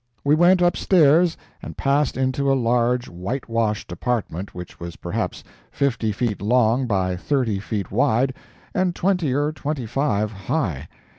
We went upstairs and passed into a large whitewashed apartment which was perhaps fifty feet long by thirty feet wide and twenty or twenty five high.